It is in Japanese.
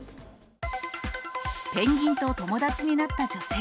ペンギンと友達になった女性。